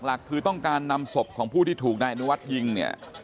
หลักคือต้องการนำศพของผู้ที่ถูกนายอนุวัฒน์ยิงเนี่ย